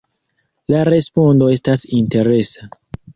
La respondo estas interesa.